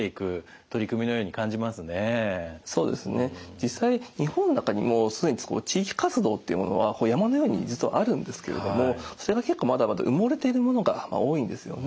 実際日本の中にもう既に地域活動っていうものは山のように実はあるんですけれどもそれが結構まだまだ埋もれているものが多いんですよね。